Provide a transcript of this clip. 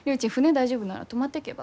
大丈夫なら泊まってけば？